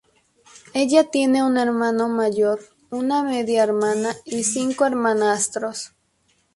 Ella tiene un hermano mayor, una media hermana y cinco hermanastros.